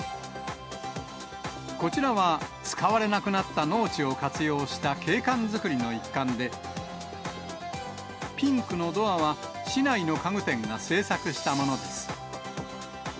こちらは使われなくなった農地を活用した景観作りの一環で、ピンクのドアは市内の家具店が製作したものです。